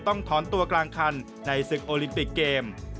ต้องถอนตัวกลางคันในศึกโอลิมปิกเกม